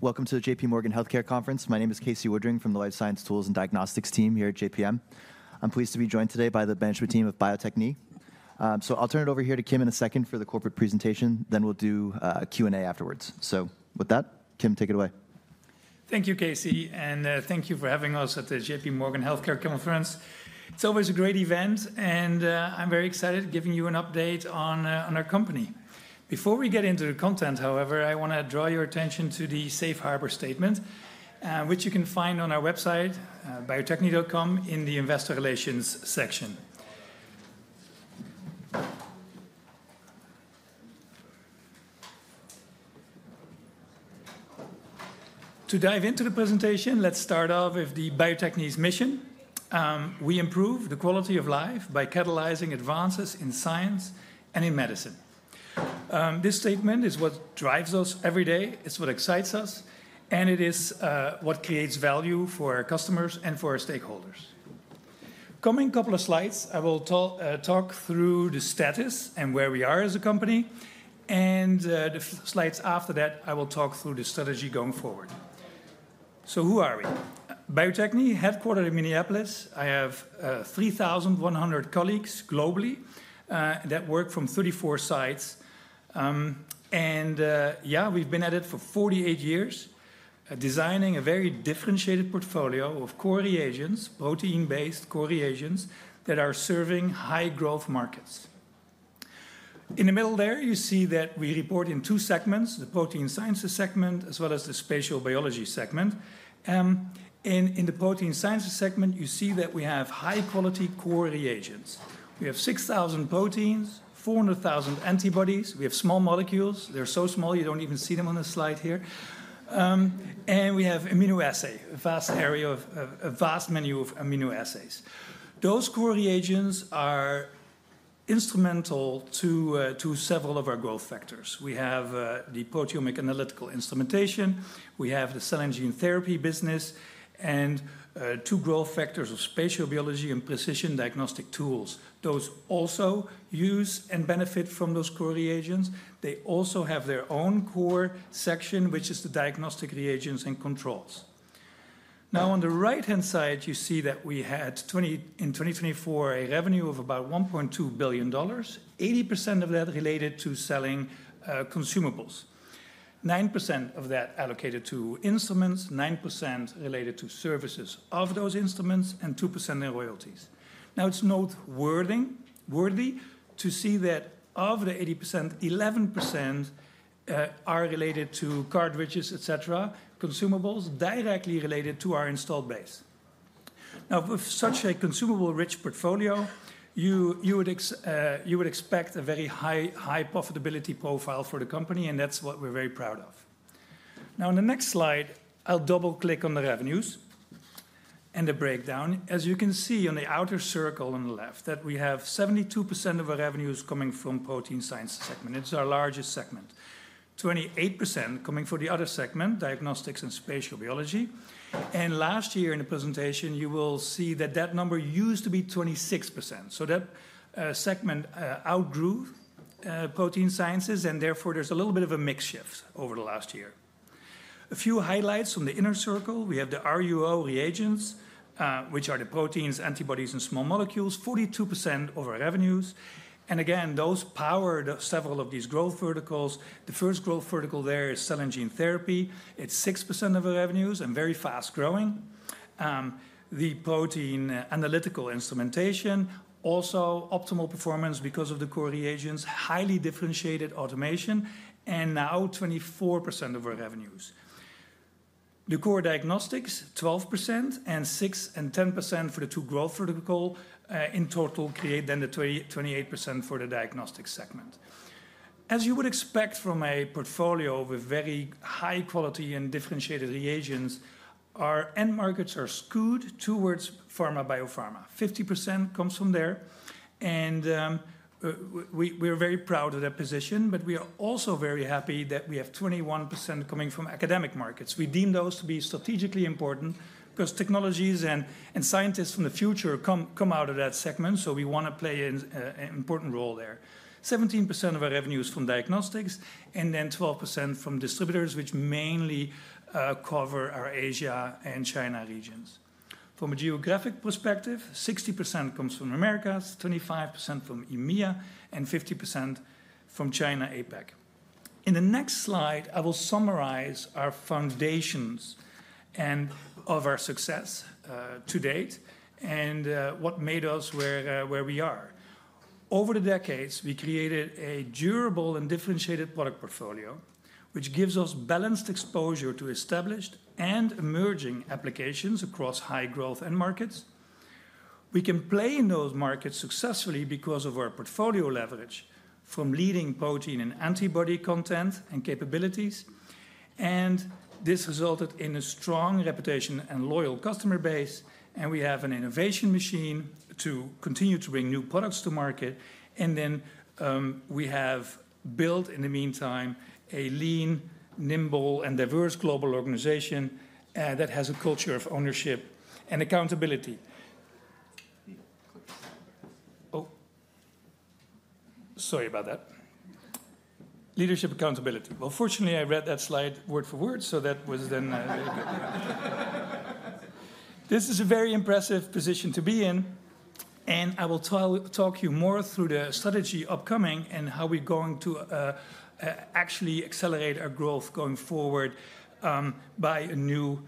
Welcome to the J.P. Morgan Healthcare Conference. My name is Casey Woodring from the Life Science Tools and Diagnostics team here at JPM. I'm pleased to be joined today by the management team of Bio-Techne. So I'll turn it over here to Kim in a second for the corporate presentation, then we'll do a Q&A afterwards. So with that, Kim, take it away. Thank you, Casey, and thank you for having us at the J.P. Morgan Healthcare Conference. It's always a great event, and I'm very excited giving you an update on our company. Before we get into the content, however, I want to draw your attention to the Safe Harbor Statement, which you can find on our website, biotechne.com, in the Investor Relations section. To dive into the presentation, let's start off with the Bio-Techne's mission: "We improve the quality of life by catalyzing advances in science and in medicine." This statement is what drives us every day, it's what excites us, and it is what creates value for our customers and for our stakeholders. Coming couple of slides, I will talk through the status and where we are as a company, and the slides after that, I will talk through the strategy going forward. So who are we? Bio-Techne, headquartered in Minneapolis. I have 3,100 colleagues globally that work from 34 sites. And yeah, we've been at it for 48 years, designing a very differentiated portfolio of protein-based core reagents that are serving high-growth markets. In the middle there, you see that we report in two segments: the Protein Sciences segment as well as the Spatial Biology segment. And in the Protein Sciences segment, you see that we have high-quality core reagents. We have 6,000 proteins, 400,000 antibodies. We have small molecules. They're so small you don't even see them on the slide here. And we have amino acids, a vast menu of amino acids. Those core reagents are instrumental to several of our growth factors. We have the proteomic analytical instrumentation, we have the cell and gene therapy business, and two growth factors of spatial biology and precision diagnostic tools. Those also use and benefit from those core reagents. They also have their own core section, which is the diagnostic reagents and controls. Now, on the right-hand side, you see that we had in 2024 a revenue of about $1.2 billion. 80% of that related to selling consumables, 9% of that allocated to instruments, 9% related to services of those instruments, and 2% in royalties. Now, it's noteworthy to see that of the 80%, 11% are related to cartridges, etc., consumables directly related to our installed base. Now, with such a consumable-rich portfolio, you would expect a very high profitability profile for the company, and that's what we're very proud of. Now, on the next slide, I'll double-click on the revenues and the breakdown. As you can see on the outer circle on the left, we have 72% of our revenues coming from the protein science segment. It's our largest segment. 28% coming from the other segment, diagnostics and spatial biology, and last year in the presentation, you will see that that number used to be 26%, so that segment outgrew protein sciences, and therefore there's a little bit of a mix shift over the last year. A few highlights from the inner circle: we have the RUO reagents, which are the proteins, antibodies, and small molecules, 42% of our revenues. And again, those power several of these growth verticals. The first growth vertical there is cell and gene therapy. It's 6% of our revenues and very fast-growing. The protein analytical instrumentation, also optimal performance because of the core reagents, highly differentiated automation, and now 24% of our revenues. The core diagnostics, 12%, and 6% and 10% for the two growth verticals in total create then the 28% for the diagnostics segment. As you would expect from a portfolio with very high quality and differentiated reagents, our end markets are skewed towards pharma/bio-pharma. 50% comes from there, and we're very proud of that position, but we are also very happy that we have 21% coming from academic markets. We deem those to be strategically important because technologies and scientists from the future come out of that segment, so we want to play an important role there. 17% of our revenue is from diagnostics, and then 12% from distributors, which mainly cover our Asia and China regions. From a geographic perspective, 60% comes from America, 25% from EMEA, and 50% from China APAC. In the next slide, I will summarize our foundations of our success to date and what made us where we are. Over the decades, we created a durable and differentiated product portfolio, which gives us balanced exposure to established and emerging applications across high-growth end markets. We can play in those markets successfully because of our portfolio leverage from leading protein and antibody content and capabilities. This resulted in a strong reputation and loyal customer base, and we have an innovation machine to continue to bring new products to market, and then we have built, in the meantime, a lean, nimble, and diverse global organization that has a culture of ownership and accountability. Oh, sorry about that. Leadership accountability. Fortunately, I read that slide word for word, so that was, then this is a very impressive position to be in. I will talk you more through the strategy upcoming and how we're going to actually accelerate our growth going forward by a new,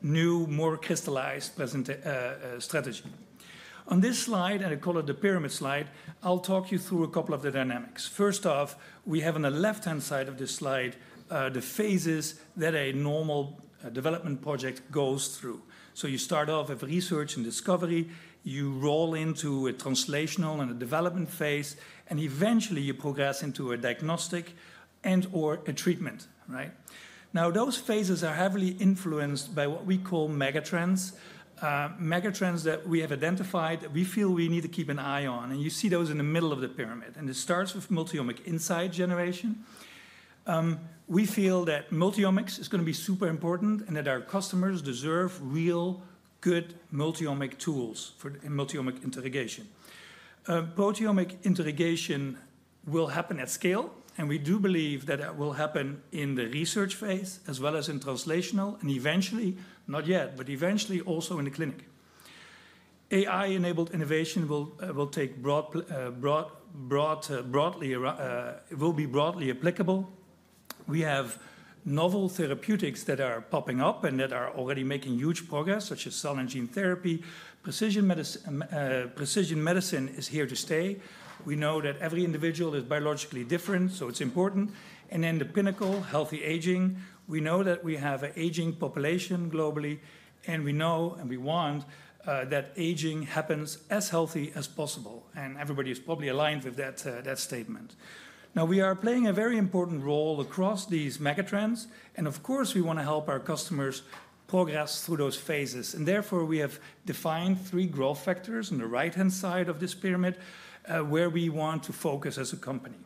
more crystallized strategy. On this slide, and I call it the pyramid slide, I'll talk you through a couple of the dynamics. First off, we have on the left-hand side of this slide the phases that a normal development project goes through. So you start off with research and discovery, you roll into a translational and a development phase, and eventually you progress into a diagnostic and/or a treatment. Now, those phases are heavily influenced by what we call megatrends, megatrends that we have identified that we feel we need to keep an eye on. And you see those in the middle of the pyramid. And it starts with multi-omic insight generation. We feel that multi-omics is going to be super important and that our customers deserve real good multi-omic tools for multi-omic interrogation. Proteomics interrogation will happen at scale, and we do believe that it will happen in the research phase as well as in translational, and eventually, not yet, but eventually also in the clinic. AI-enabled innovation will be broadly applicable. We have novel therapeutics that are popping up and that are already making huge progress, such as Cell and Gene Therapy. Precision medicine is here to stay. We know that every individual is biologically different, so it's important, and then the pinnacle, healthy aging. We know that we have an aging population globally, and we know and we want that aging happens as healthy as possible, and everybody is probably aligned with that statement. Now, we are playing a very important role across these megatrends, and of course, we want to help our customers progress through those phases. Therefore, we have defined three growth factors on the right-hand side of this pyramid where we want to focus as a company.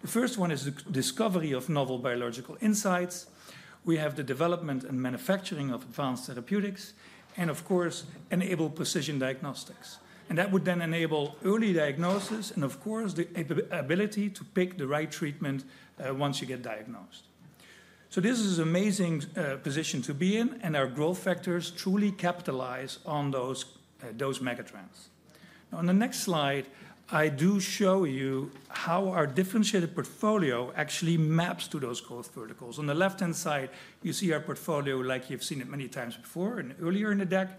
The first one is the discovery of novel biological insights. We have the development and manufacturing of advanced therapeutics, and of course, enable precision diagnostics. That would then enable early diagnosis and, of course, the ability to pick the right treatment once you get diagnosed. This is an amazing position to be in, and our growth factors truly capitalize on those megatrends. Now, on the next slide, I do show you how our differentiated portfolio actually maps to those growth verticals. On the left-hand side, you see our portfolio like you've seen it many times before and earlier in the deck.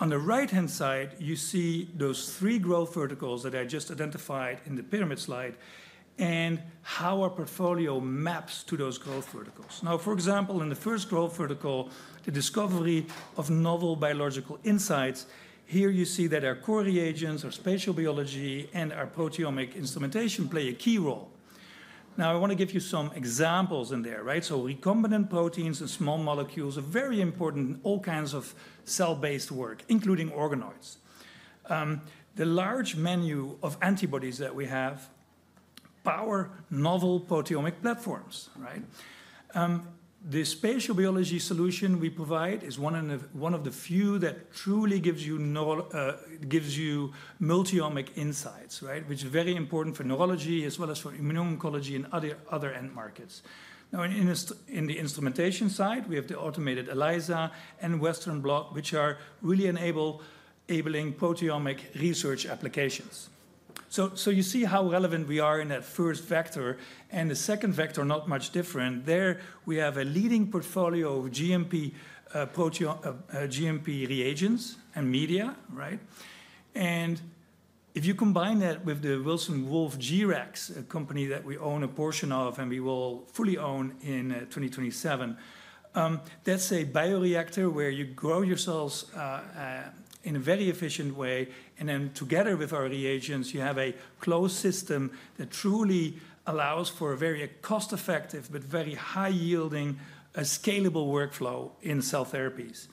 On the right-hand side, you see those three growth verticals that I just identified in the pyramid slide and how our portfolio maps to those growth verticals. Now, for example, in the first growth vertical, the discovery of novel biological insights, here you see that our core reagents, our spatial biology, and our proteomic instrumentation play a key role. Now, I want to give you some examples in there. So recombinant proteins and small molecules are very important in all kinds of cell-based work, including organoids. The large menu of antibodies that we have powers novel proteomic platforms. The spatial biology solution we provide is one of the few that truly gives you multi-omic insights, which is very important for neurology as well as for immuno-oncology and other end markets. Now, in the instrumentation side, we have the automated ELISA and Western blot, which are really enabling proteomic research applications. So you see how relevant we are in that first vector. And the second vector, not much different. There we have a leading portfolio of GMP reagents and media. And if you combine that with the Wilson Wolf G-Rex, a company that we own a portion of and we will fully own in 2027, that's a bioreactor where you grow your cells in a very efficient way. And then together with our reagents, you have a closed system that truly allows for a very cost-effective but very high-yielding, scalable workflow in cell therapies.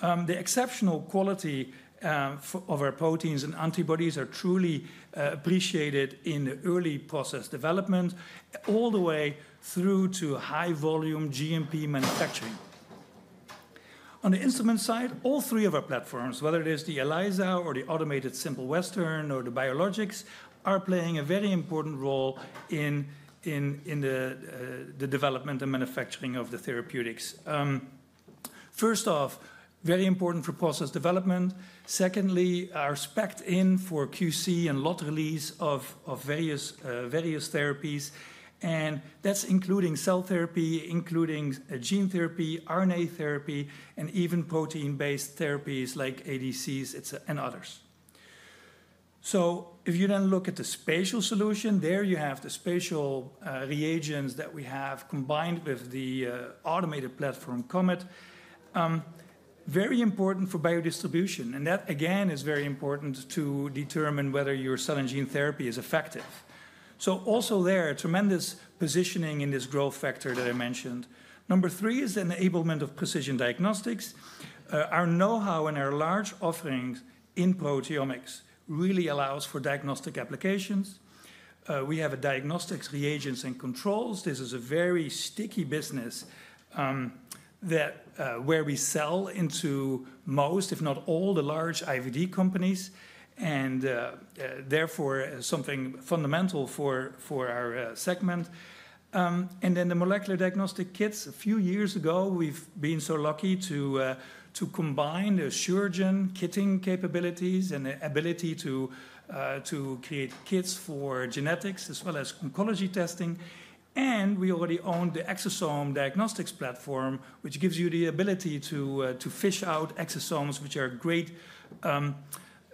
The exceptional quality of our proteins and antibodies are truly appreciated in the early process development all the way through to high-volume GMP manufacturing. On the instrument side, all three of our platforms, whether it is the ELISA or the automated Simple Western or the biologics, are playing a very important role in the development and manufacturing of the therapeutics. First off, very important for process development. Secondly, our spec in for QC and lot release of various therapies, and that's including cell therapy, including gene therapy, RNA therapy, and even protein-based therapies like ADCs and others, so if you then look at the spatial solution, there you have the spatial reagents that we have combined with the automated platform COMET, very important for biodistribution, and that, again, is very important to determine whether your cell and gene therapy is effective, so also there, tremendous positioning in this growth factor that I mentioned. Number three is the enablement of precision diagnostics. Our know-how and our large offerings in proteomics really allows for diagnostic applications. We have diagnostics, reagents, and controls. This is a very sticky business where we sell into most, if not all, the large IVD companies, and therefore something fundamental for our segment. Then the molecular diagnostic kits. A few years ago, we've been so lucky to combine the Asuragen kitting capabilities and the ability to create kits for genetics as well as oncology testing. We already own the Exosome Diagnostics platform, which gives you the ability to fish out exosomes, which are great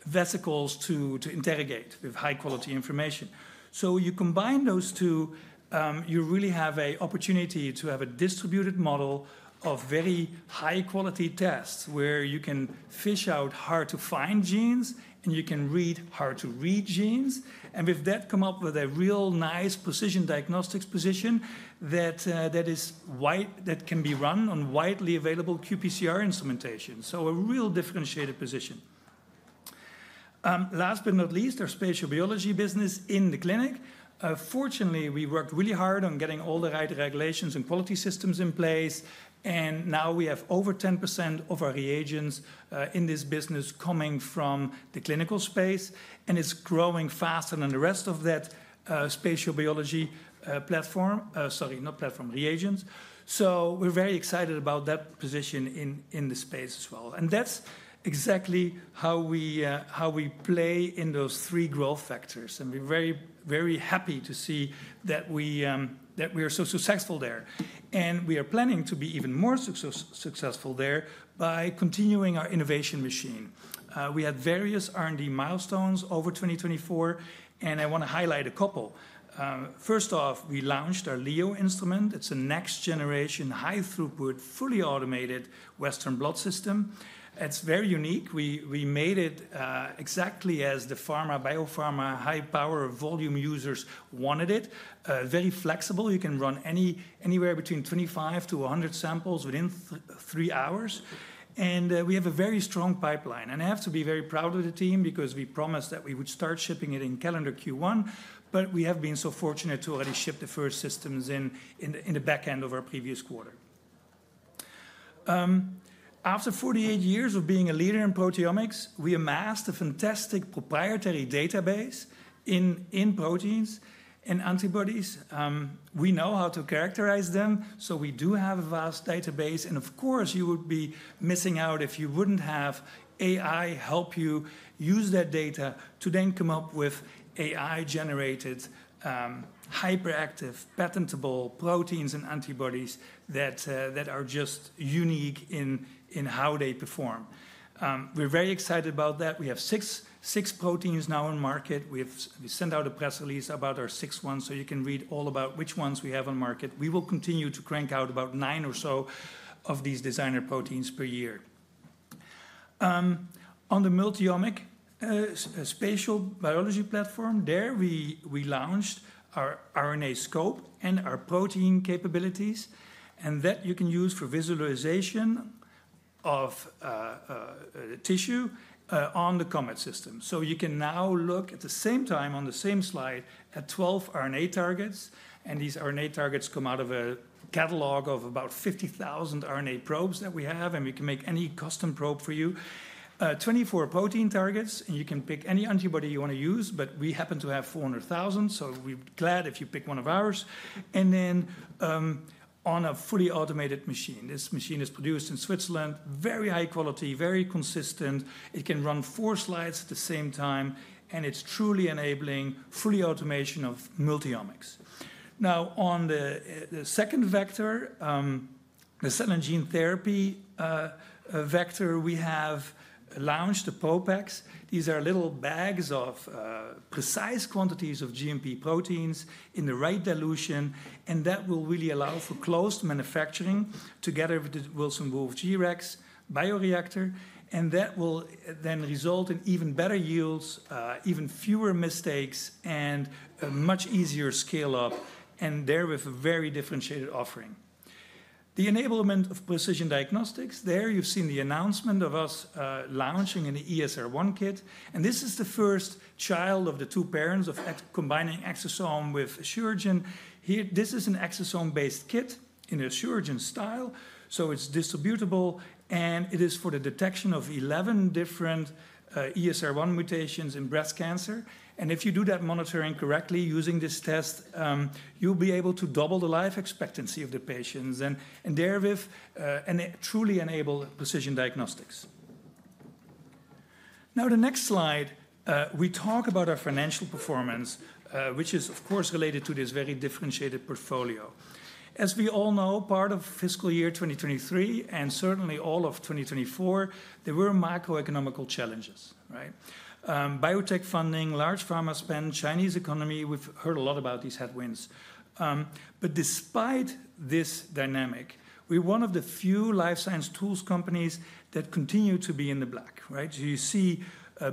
vesicles to interrogate with high-quality information. You combine those two, you really have an opportunity to have a distributed model of very high-quality tests where you can fish out hard-to-find genes and you can read hard-to-read genes. With that, come up with a real nice precision diagnostics position that can be run on widely available qPCR instrumentation. A real differentiated position. Last but not least, our spatial biology business in the clinic. Fortunately, we worked really hard on getting all the right regulations and quality systems in place, and now we have over 10% of our reagents in this business coming from the clinical space, and it's growing faster than the rest of that spatial biology platform, sorry, not platform, reagents, so we're very excited about that position in the space as well, and that's exactly how we play in those three growth factors, and we're very, very happy to see that we are so successful there, and we are planning to be even more successful there by continuing our innovation machine. We had various R&D milestones over 2024, and I want to highlight a couple. First off, we launched our Leo instrument. It's a next-generation high-throughput, fully automated Western blot system. It's very unique. We made it exactly as the pharma/bio-pharma high-power volume users wanted it, very flexible. You can run anywhere between 25 to 100 samples within three hours. And we have a very strong pipeline. And I have to be very proud of the team because we promised that we would start shipping it in calendar Q1, but we have been so fortunate to already ship the first systems in the back end of our previous quarter. After 48 years of being a leader in proteomics, we amassed a fantastic proprietary database in proteins and antibodies. We know how to characterize them, so we do have a vast database. And of course, you would be missing out if you wouldn't have AI help you use that data to then come up with AI-generated, hyperactive, patentable proteins and antibodies that are just unique in how they perform. We're very excited about that. We have six proteins now on market. We sent out a press release about our six ones, so you can read all about which ones we have on market. We will continue to crank out about nine or so of these designer proteins per year. On the multi-omics spatial biology platform, there we launched our RNAscope and our protein capabilities, and that you can use for visualization of tissue on the COMET system, so you can now look at the same time on the same slide at 12 RNA targets, and these RNA targets come out of a catalog of about 50,000 RNA probes that we have, and we can make any custom probe for you, 24 protein targets, and you can pick any antibody you want to use, but we happen to have 400,000, so we're glad if you pick one of ours. And then on a fully automated machine, this machine is produced in Switzerland, very high quality, very consistent. It can run four slides at the same time, and it's truly enabling fully automation of multi-omics. Now, on the second vector, the cell and gene therapy vector, we have launched the ProPacs. These are little bags of precise quantities of GMP proteins in the right dilution, and that will really allow for closed manufacturing together with the Wilson Wolf G-Rex bioreactor. And that will then result in even better yields, even fewer mistakes, and a much easier scale-up, and there with a very differentiated offering. The enablement of precision diagnostics, there you've seen the announcement of us launching an ESR1 Kit. And this is the first child of the two parents of combining Exosome with Asuragen. This is an exosome-based kit in an Asuragen style, so it's distributable, and it is for the detection of 11 different ESR1 mutations in breast cancer. And if you do that monitoring correctly using this test, you'll be able to double the life expectancy of the patients and therewith truly enable precision diagnostics. Now, the next slide, we talk about our financial performance, which is, of course, related to this very differentiated portfolio. As we all know, part of fiscal year 2023, and certainly all of 2024, there were macroeconomic challenges. Biotech funding, large pharma spend, Chinese economy, we've heard a lot about these headwinds. But despite this dynamic, we're one of the few life science tools companies that continue to be in the black. So you see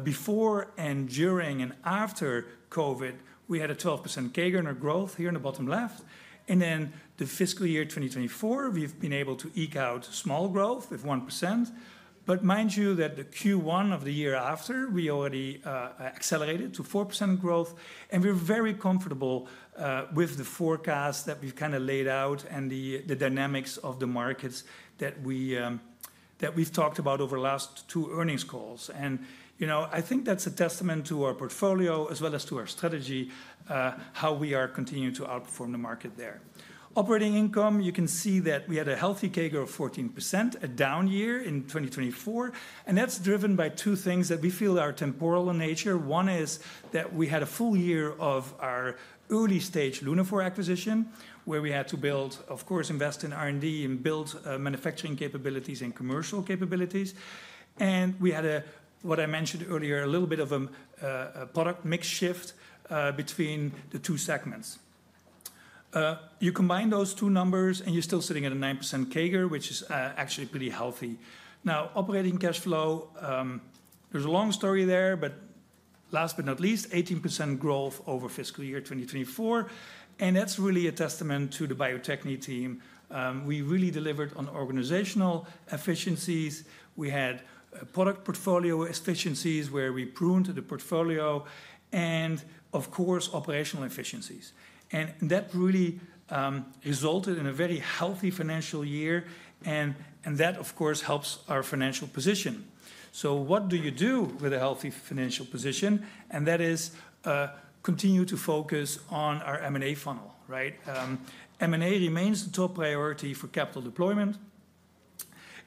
before and during and after COVID, we had a 12% CAGR in our growth here in the bottom left. And then the fiscal year 2024, we've been able to eke out small growth of 1%. But mind you that the Q1 of the year after, we already accelerated to 4% growth, and we're very comfortable with the forecast that we've kind of laid out and the dynamics of the markets that we've talked about over the last two earnings calls. And I think that's a testament to our portfolio as well as to our strategy, how we are continuing to outperform the market there. Operating income, you can see that we had a healthy CAGR of 14%, a down year in 2024, and that's driven by two things that we feel are temporal in nature. One is that we had a full year of our early-stage Lunaphore acquisition, where we had to build, of course, invest in R&D and build manufacturing capabilities and commercial capabilities. We had, what I mentioned earlier, a little bit of a product mix shift between the two segments. You combine those two numbers, and you're still sitting at a 9% CAGR, which is actually pretty healthy. Now, operating cash flow, there's a long story there, but last but not least, 18% growth over fiscal year 2024. That's really a testament to the Bio-Techne team. We really delivered on organizational efficiencies. We had product portfolio efficiencies where we pruned the portfolio, and of course, operational efficiencies. That really resulted in a very healthy financial year, and that, of course, helps our financial position. So what do you do with a healthy financial position? That is continue to focus on our M&A funnel. M&A remains the top priority for capital deployment.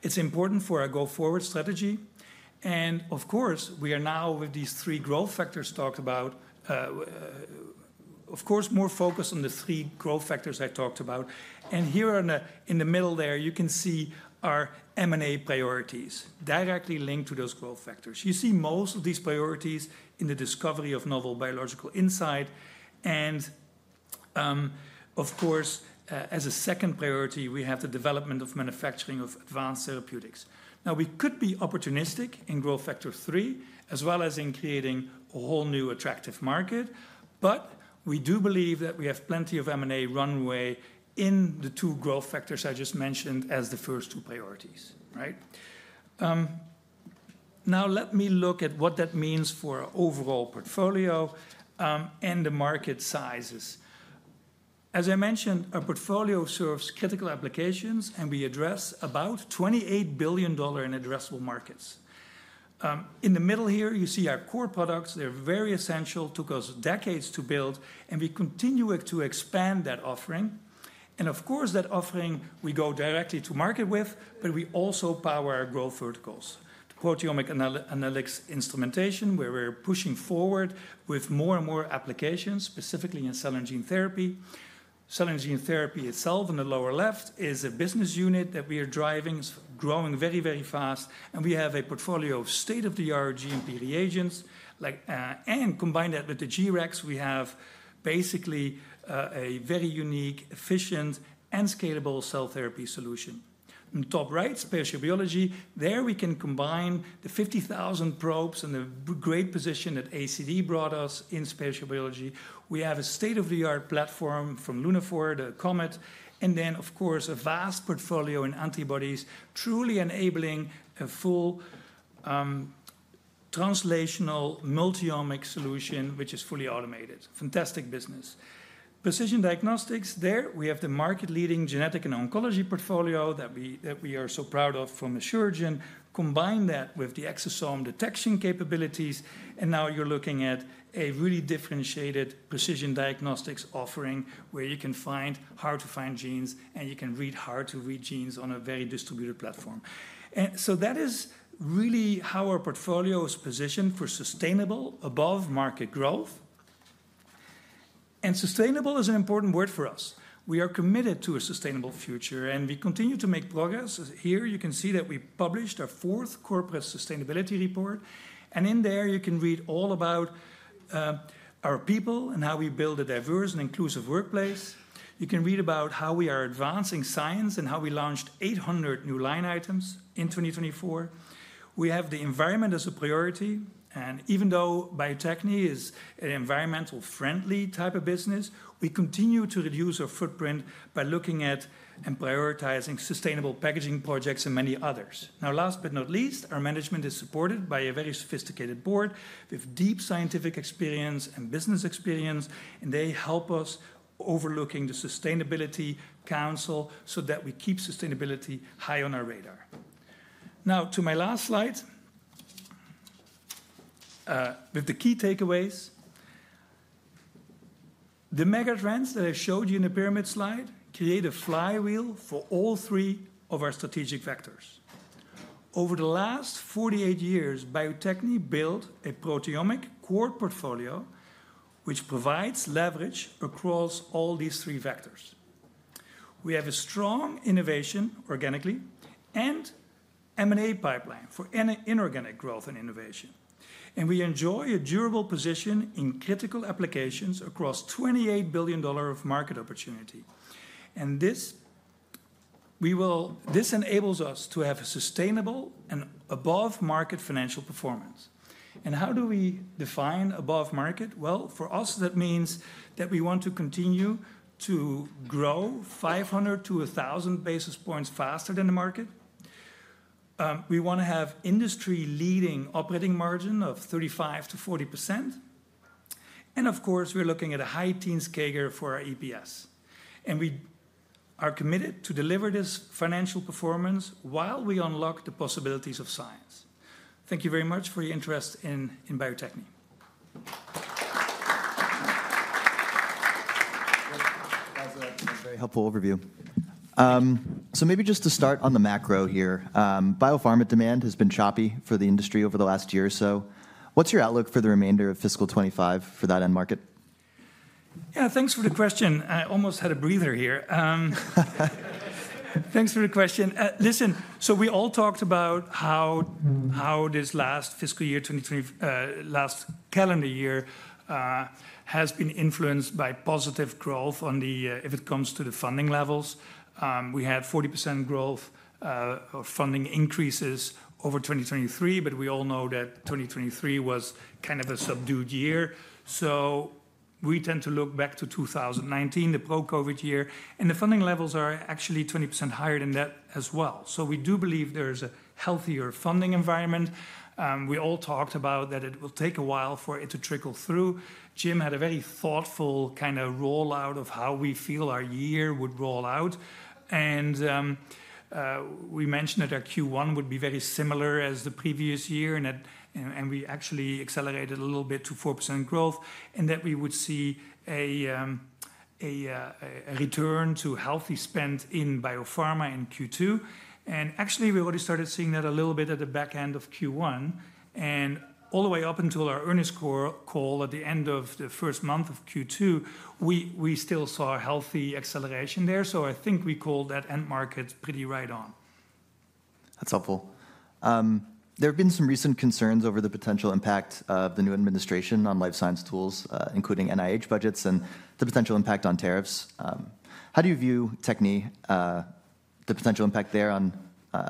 It's important for our go-forward strategy. And of course, we are now with these three growth factors talked about. Of course, more focus on the three growth factors I talked about. And here in the middle there, you can see our M&A priorities directly linked to those growth factors. You see most of these priorities in the discovery of novel biological insight. And of course, as a second priority, we have the development of manufacturing of advanced therapeutics. Now, we could be opportunistic in growth factor three, as well as in creating a whole new attractive market, but we do believe that we have plenty of M&A runway in the two growth factors I just mentioned as the first two priorities. Now, let me look at what that means for our overall portfolio and the market sizes. As I mentioned, our portfolio serves critical applications, and we address about $28 billion in addressable markets. In the middle here, you see our core products. They're very essential. It took us decades to build, and we continue to expand that offering, and of course, that offering we go directly to market with, but we also power our growth verticals. Proteomic analytics instrumentation, where we're pushing forward with more and more applications, specifically in cell and gene therapy. Cell and gene therapy itself in the lower left is a business unit that we are driving. It's growing very, very fast, and we have a portfolio of state-of-the-art GMP reagents, and combined that with the G-Rex, we have basically a very unique, efficient, and scalable cell therapy solution. In the top right, spatial biology, there we can combine the 50,000 probes and the great position that ACD brought us in spatial biology. We have a state-of-the-art platform from Lunaphore, the COMET, and then, of course, a vast portfolio in antibodies, truly enabling a full translational multi-omics solution, which is fully automated. Fantastic business. Precision diagnostics, there we have the market-leading genetic and oncology portfolio that we are so proud of from Asuragen. Combine that with the exosome detection capabilities, and now you're looking at a really differentiated precision diagnostics offering where you can find hard-to-find genes, and you can read hard-to-read genes on a very distributed platform. And so that is really how our portfolio is positioned for sustainable above market growth. And sustainable is an important word for us. We are committed to a sustainable future, and we continue to make progress. Here you can see that we published our fourth corporate sustainability report, and in there you can read all about our people and how we build a diverse and inclusive workplace. You can read about how we are advancing science and how we launched 800 new line items in 2024. We have the environment as a priority, and even though Bio-Techne is an environmentally friendly type of business, we continue to reduce our footprint by looking at and prioritizing sustainable packaging projects and many others. Now, last but not least, our management is supported by a very sophisticated board with deep scientific experience and business experience, and they help us overlooking the sustainability council so that we keep sustainability high on our radar. Now, to my last slide, with the key takeaways, the mega trends that I showed you in the pyramid slide create a flywheel for all three of our strategic vectors. Over the last 48 years, Bio-Techne built a proteomic core portfolio, which provides leverage across all these three vectors. We have a strong innovation organically and M&A pipeline for inorganic growth and innovation. And we enjoy a durable position in critical applications across $28 billion of market opportunity. And this enables us to have sustainable and above-market financial performance. And how do we define above-market? Well, for us, that means that we want to continue to grow 500-1,000 basis points faster than the market. We want to have industry-leading operating margin of 35%-40%. And of course, we're looking at a high teens CAGR for our EPS. We are committed to deliver this financial performance while we unlock the possibilities of science. Thank you very much for your interest in Bio-Techne. That was a very helpful overview. Maybe just to start on the macro here, biopharma demand has been choppy for the industry over the last year or so. What's your outlook for the remainder of fiscal 2025 for that end market? Yeah, thanks for the question. I almost had a breather here. Thanks for the question. Listen, so we all talked about how this last fiscal year, last calendar year, has been influenced by positive growth if it comes to the funding levels. We had 40% growth of funding increases over 2023, but we all know that 2023 was kind of a subdued year. So we tend to look back to 2019, the pre-COVID year, and the funding levels are actually 20% higher than that as well. So we do believe there is a healthier funding environment. We all talked about that it will take a while for it to trickle through. Jim had a very thoughtful kind of rollout of how we feel our year would roll out. And we mentioned that our Q1 would be very similar as the previous year, and we actually accelerated a little bit to 4% growth, and that we would see a return to healthy spend in biopharma in Q2. And actually, we already started seeing that a little bit at the back end of Q1. And all the way up until our earnings call at the end of the first month of Q2, we still saw a healthy acceleration there. So I think we called that end market pretty right on. That's helpful. There have been some recent concerns over the potential impact of the new administration on life science tools, including NIH budgets and the potential impact on tariffs. How do you view the potential impact there on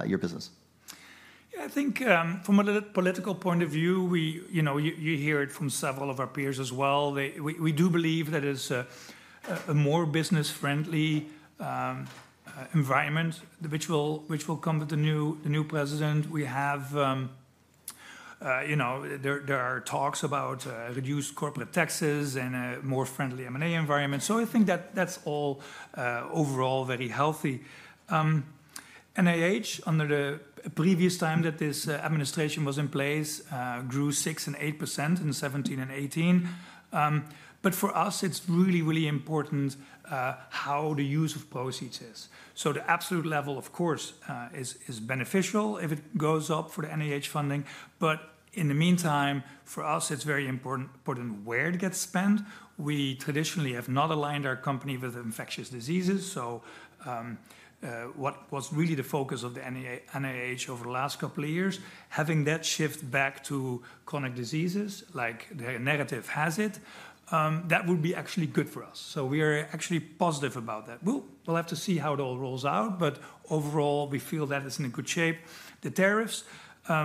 your business? Yeah, I think from a political point of view, you hear it from several of our peers as well. We do believe that it's a more business-friendly environment, which will come with the new president. There are talks about reduced corporate taxes and a more friendly M&A environment. So I think that that's all overall very healthy. NIH, under the previous time that this administration was in place, grew 6% and 8% in 2017 and 2018. But for us, it's really, really important how the use of proceeds is. So the absolute level, of course, is beneficial if it goes up for the NIH funding. But in the meantime, for us, it's very important where it gets spent. We traditionally have not aligned our company with infectious diseases. So what was really the focus of the NIH over the last couple of years, having that shift back to chronic diseases, like the narrative has it, that would be actually good for us. So we are actually positive about that. We'll have to see how it all rolls out, but overall, we feel that it's in good shape. The tariffs,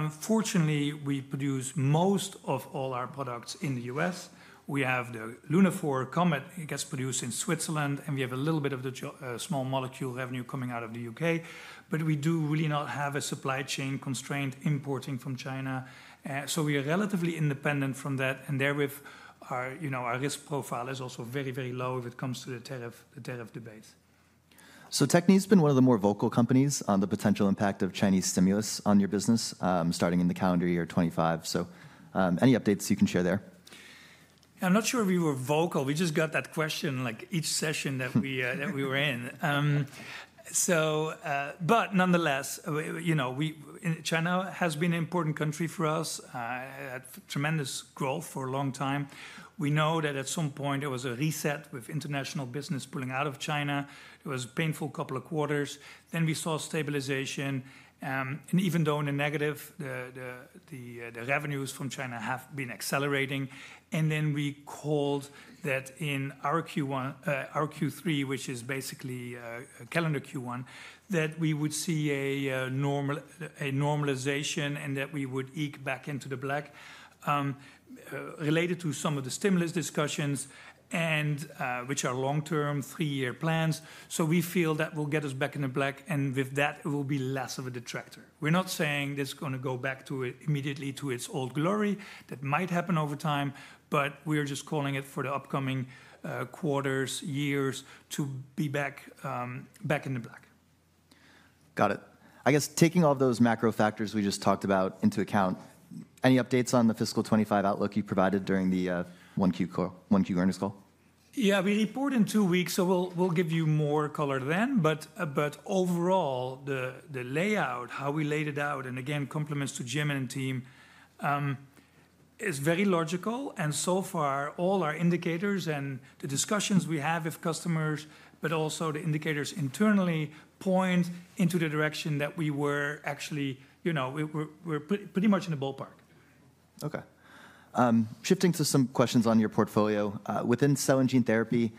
fortunately, we produce most of all our products in the U.S. We have the Lunaphore COMET, it gets produced in Switzerland, and we have a little bit of the small molecule revenue coming out of the U.K. But we do really not have a supply chain constraint importing from China. So we are relatively independent from that, and therewith, our risk profile is also very, very low if it comes to the tariff debate. Bio-Techne has been one of the more vocal companies on the potential impact of Chinese stimulus on your business starting in the calendar year 2025. So any updates you can share there? I'm not sure we were vocal. We just got that question like each session that we were in. But nonetheless, China has been an important country for us. It had tremendous growth for a long time. We know that at some point, there was a reset with international business pulling out of China. It was a painful couple of quarters. Then we saw stabilization. And even though in the negative, the revenues from China have been accelerating. And then we called that in our Q3, which is basically calendar Q1, that we would see a normalization and that we would eke back into the black related to some of the stimulus discussions, which are long-term three-year plans. So we feel that will get us back in the black, and with that, it will be less of a detractor. We're not saying this is going to go back immediately to its old glory. That might happen over time, but we're just calling it for the upcoming quarters, years to be back in the black. Got it. I guess taking all those macro factors we just talked about into account, any updates on the fiscal 2025 outlook you provided during the Q1 earnings call? Yeah, we report in two weeks, so we'll give you more color then. But overall, the layout, how we laid it out, and again, compliments to Jim and team, is very logical. And so far, all our indicators and the discussions we have with customers, but also the indicators internally, point into the direction that we were actually pretty much in the ballpark. Okay. Shifting to some questions on your portfolio. Within cell and gene therapy,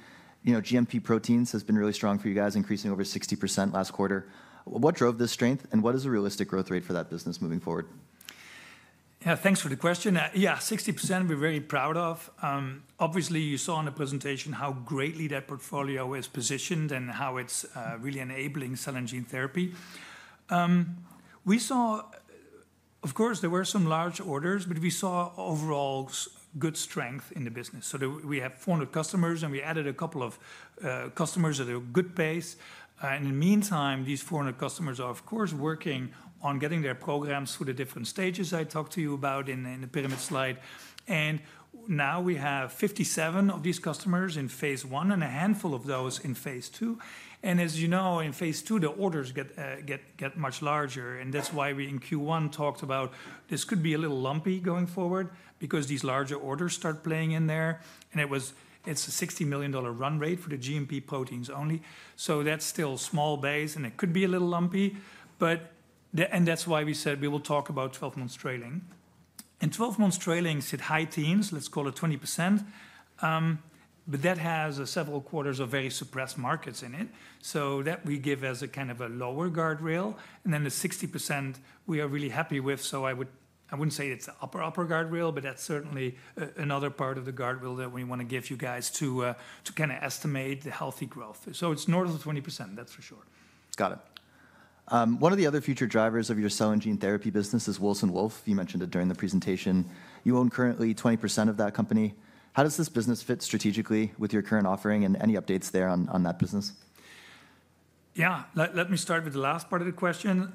GMP proteins has been really strong for you guys, increasing over 60% last quarter. What drove this strength, and what is a realistic growth rate for that business moving forward? Yeah, thanks for the question. Yeah, 60% we're very proud of. Obviously, you saw on the presentation how greatly that portfolio is positioned and how it's really enabling cell and gene therapy. Of course, there were some large orders, but we saw overall good strength in the business, so we have 400 customers, and we added a couple of customers at a good pace. In the meantime, these 400 customers are, of course, working on getting their programs through the different stages I talked to you about in the pyramid slide, and now we have 57 of these customers in phase one and a handful of those in phase two, and as you know, in phase two, the orders get much larger, and that's why we in Q1 talked about this could be a little lumpy going forward because these larger orders start playing in there. And it's a $60 million run rate for the GMP proteins only. So that's still small base, and it could be a little lumpy. And that's why we said we will talk about 12-month trailing. And 12-month trailing said high teens, let's call it 20%. But that has several quarters of very suppressed markets in it. So that we give as a kind of a lower guardrail. And then the 60% we are really happy with. So I wouldn't say it's the upper, upper guardrail, but that's certainly another part of the guardrail that we want to give you guys to kind of estimate the healthy growth. So it's north of 20%, that's for sure. Got it. One of the other future drivers of your cell and gene therapy business is Wilson Wolf. You mentioned it during the presentation. You own currently 20% of that company. How does this business fit strategically with your current offering and any updates there on that business? Yeah, let me start with the last part of the question.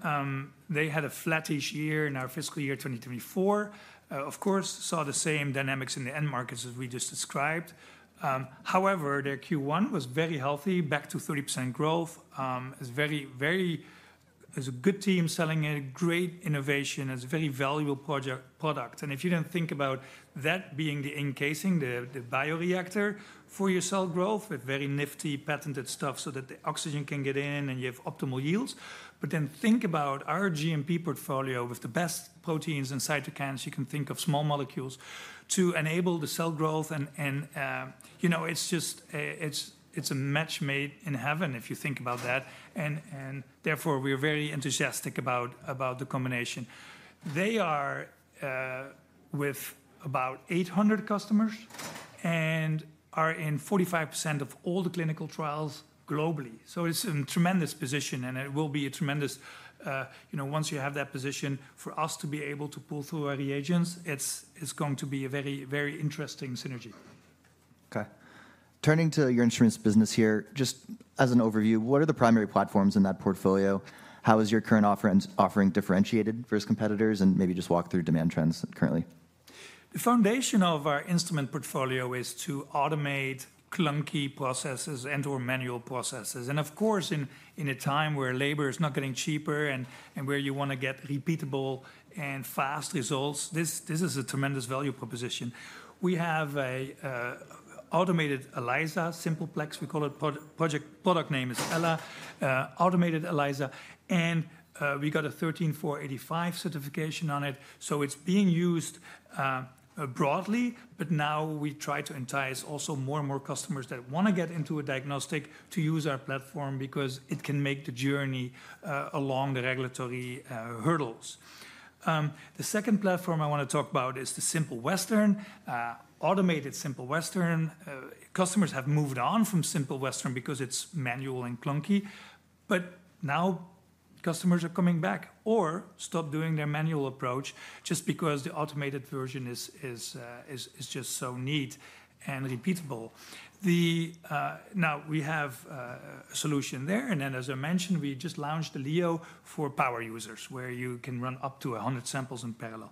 They had a flattish year in our fiscal year 2024. Of course, saw the same dynamics in the end markets as we just described. However, their Q1 was very healthy, back to 30% growth. It's a good team selling a great innovation. It's a very valuable product. And if you don't think about that being the encasing, the bioreactor for your cell growth with very nifty patented stuff so that the oxygen can get in and you have optimal yields. But then think about our GMP portfolio with the best proteins and cytokines you can think of, small molecules to enable the cell growth. And it's a match made in heaven if you think about that. And therefore, we are very enthusiastic about the combination. They are with about 800 customers and are in 45% of all the clinical trials globally, so it's a tremendous position, and it will be a tremendous once you have that position for us to be able to pull through our reagents, it's going to be a very, very interesting synergy. Okay. Turning to your instrument business here, just as an overview, what are the primary platforms in that portfolio? How is your current offering differentiated versus competitors and maybe just walk through demand trends currently? The foundation of our instrument portfolio is to automate clunky processes and/or manual processes. Of course, in a time where labor is not getting cheaper and where you want to get repeatable and fast results, this is a tremendous value proposition. We have an automated ELISA, Simple Plex, we call it. Product name is Ella, automated ELISA. We got a 13485 certification on it. It's being used broadly, but now we try to entice also more and more customers that want to get into a diagnostic to use our platform because it can make the journey along the regulatory hurdles. The second platform I want to talk about is the Simple Western, automated Simple Western. Customers have moved on from Simple Western because it's manual and clunky. But now customers are coming back or stop doing their manual approach just because the automated version is just so neat and repeatable. Now we have a solution there. And then, as I mentioned, we just launched the Leo for power users where you can run up to 100 samples in parallel.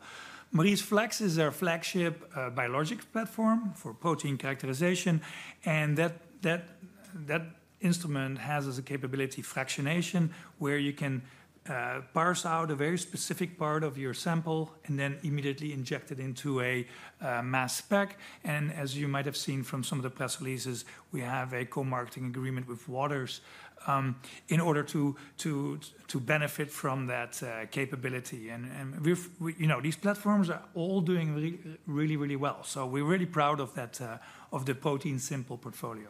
MauriceFlex is our flagship biologic platform for protein characterization. And that instrument has as a capability fractionation where you can parse out a very specific part of your sample and then immediately inject it into a mass spec. And as you might have seen from some of the press releases, we have a co-marketing agreement with Waters in order to benefit from that capability. And these platforms are all doing really, really well. So we're really proud of the ProteinSimple portfolio.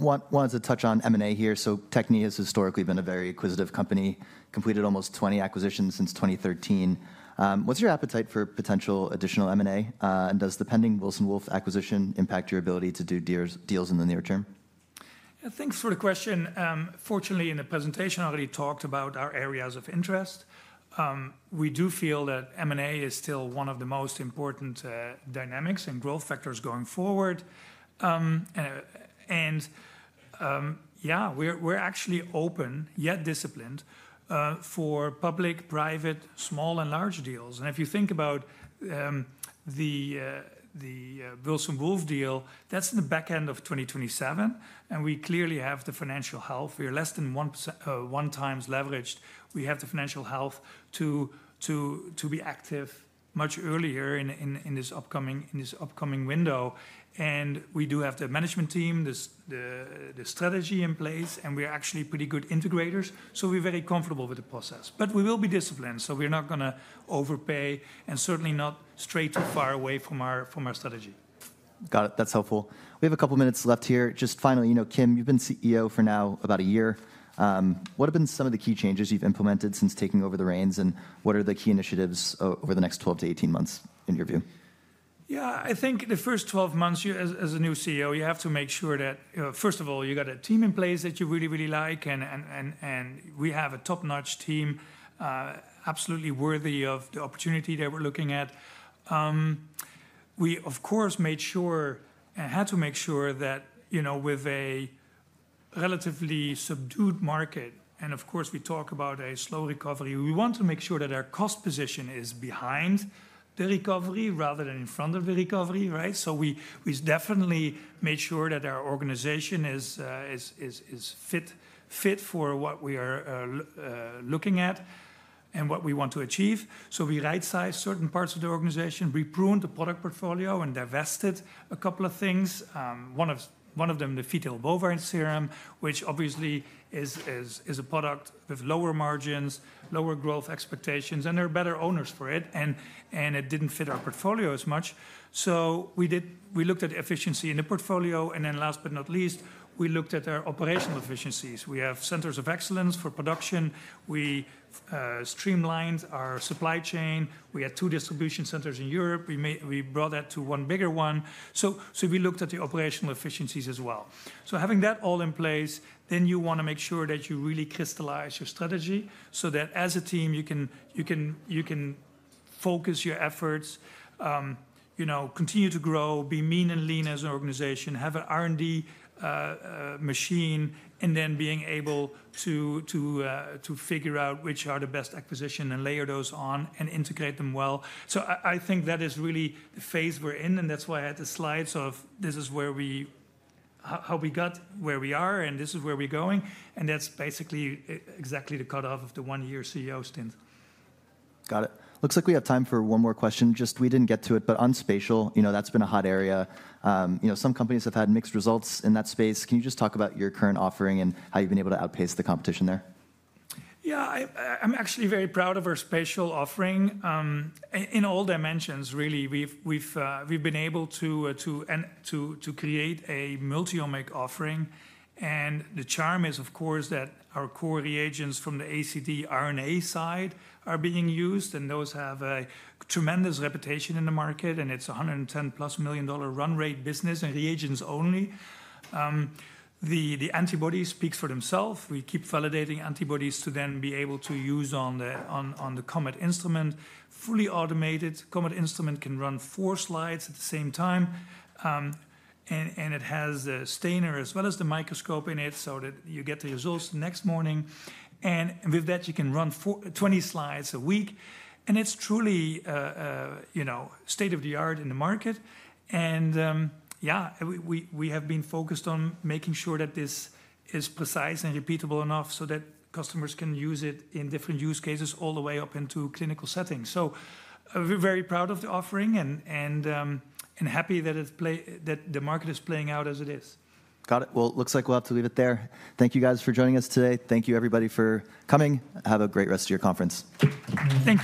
Got it. Wanted to touch on M&A here. So Bio-Techne has historically been a very acquisitive company, completed almost 20 acquisitions since 2013. What's your appetite for potential additional M&A? And does the pending Wilson Wolf acquisition impact your ability to do deals in the near term? Yeah, thanks for the question. Fortunately, in the presentation, I already talked about our areas of interest. We do feel that M&A is still one of the most important dynamics and growth factors going forward. And yeah, we're actually open, yet disciplined for public, private, small, and large deals. And if you think about the Wilson Wolf deal, that's in the back end of 2027. And we clearly have the financial health. We are less than one times leveraged. We have the financial health to be active much earlier in this upcoming window. And we do have the management team, the strategy in place, and we're actually pretty good integrators. So we're very comfortable with the process. But we will be disciplined. So we're not going to overpay and certainly not stray too far away from our strategy. Got it. That's helpful. We have a couple of minutes left here. Just finally, Kim, you've been CEO for now about a year. What have been some of the key changes you've implemented since taking over the reins? And what are the key initiatives over the next 12 to 18 months in your view? Yeah, I think the first 12 months, as a new CEO, you have to make sure that, first of all, you got a team in place that you really, really like. And we have a top-notch team absolutely worthy of the opportunity that we're looking at. We, of course, made sure and had to make sure that with a relatively subdued market, and of course, we talk about a slow recovery, we want to make sure that our cost position is behind the recovery rather than in front of the recovery. So we definitely made sure that our organization is fit for what we are looking at and what we want to achieve. So we right-sized certain parts of the organization, repruned the product portfolio, and divested a couple of things. One of them, the Fetal Bovine Serum, which obviously is a product with lower margins, lower growth expectations, and there are better owners for it. And it didn't fit our portfolio as much. So we looked at efficiency in the portfolio. And then last but not least, we looked at our operational efficiencies. We have centers of excellence for production. We streamlined our supply chain. We had two distribution centers in Europe. We brought that to one bigger one. So we looked at the operational efficiencies as well. So having that all in place, then you want to make sure that you really crystallize your strategy so that as a team, you can focus your efforts, continue to grow, be mean and lean as an organization, have an R&D machine, and then being able to figure out which are the best acquisition and layer those on and integrate them well. So I think that is really the phase we're in. And that's why I had the slides of this is how we got where we are, and this is where we're going. And that's basically exactly the cutoff of the one-year CEO stint. Got it. Looks like we have time for one more question. Just, we didn't get to it, but on spatial, that's been a hot area. Some companies have had mixed results in that space. Can you just talk about your current offering and how you've been able to outpace the competition there? Yeah, I'm actually very proud of our spatial offering in all dimensions, really. We've been able to create a multi-omics offering. And the charm is, of course, that our core reagents from the ACD RNA side are being used. And those have a tremendous reputation in the market. And it's a $110+ million run rate business and reagents only. The antibody speaks for themselves. We keep validating antibodies to then be able to use on the COMET instrument. Fully automated COMET instrument can run four slides at the same time. And it has a stainer as well as the microscope in it so that you get the results next morning. And with that, you can run 20 slides a week. And it's truly state of the art in the market. Yeah, we have been focused on making sure that this is precise and repeatable enough so that customers can use it in different use cases all the way up into clinical settings. We're very proud of the offering and happy that the market is playing out as it is. Got it. Well, it looks like we'll have to leave it there. Thank you guys for joining us today. Thank you, everybody, for coming. Have a great rest of your conference. Thank you.